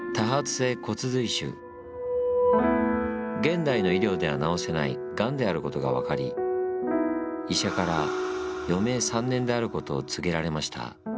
現代の医療では治せないがんであることが分かり医者から余命３年であることを告げられました。